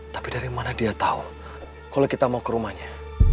tapi dari mana dia tahu kalau kita mau ke rumahnya